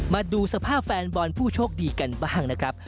มาดูสภาพแฟนบอลผู้โชคดีกันบ้างนะครับ